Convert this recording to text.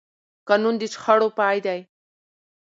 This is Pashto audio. قانون د شخړو پای دی